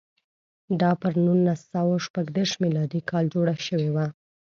دا پر نولس سوه شپږ دېرش میلادي کال جوړه شوې وه.